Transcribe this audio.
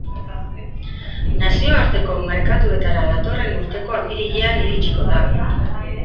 Nazioarteko merkatuetara datorren urteko apirilean iritsiko da.